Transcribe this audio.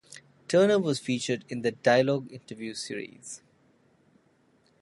Turner was featured in "The Dialogue" interview series.